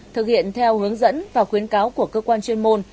thực hiện theo hướng dẫn và khuyến cáo của cơ quan chuyên môn